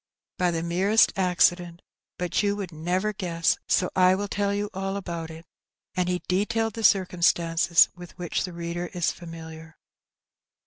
''By the merest accident. Bat yoa woald never gness, so I will tell yoa all about it.'' And he detailed the cir cumstances with which the reader is &miliar.